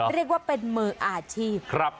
เรียกว่าเป็นมืออาชีพ